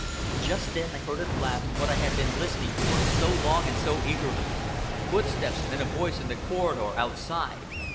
Just then, I heard at last what I had been listening for so long and so eagerly, footsteps and a voice in the corridor outside.